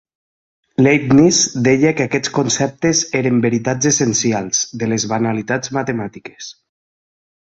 Leibniz deia que aquests conceptes eren "veritats essencials" de les banalitats matemàtiques.